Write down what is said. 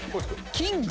キング？